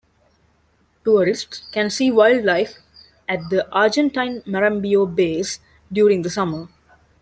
Tourists can see wildlife at the Argentine Marambio Base during the summer.